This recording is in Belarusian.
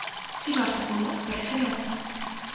Ці варта было перасяляцца?